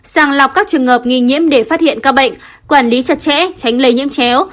sàng lọc các trường hợp nghi nhiễm để phát hiện ca bệnh quản lý chặt chẽ tránh lây nhiễm chéo